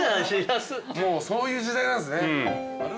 もうそういう時代なんですね。